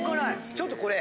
ちょっとこれ。